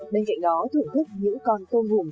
bên cạnh đó thưởng thức những con tôm hùm